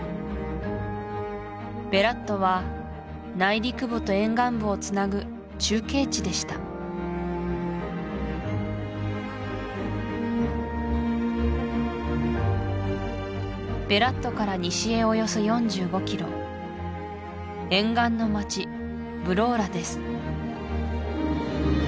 ベラットは内陸部と沿岸部をつなぐ中継地でしたベラットから西へおよそ４５ｋｍ沿岸の町・ヴローラです